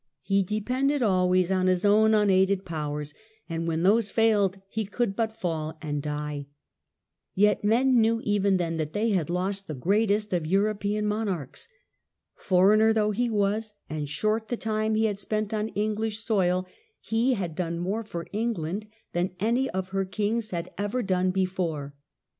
He depended always on his own xmaided powers, and when those failed he could but fall and die. Yet men knew even then that they had lost the ^^^' greatest of European monarchs. Foreigner though he was, and short the time he had spent on English soil, he had done more for England than any of her kings had ever done before.